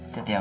itu dia ma